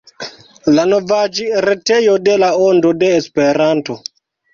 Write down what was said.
La novaĵretejo de La Ondo de Esperanto.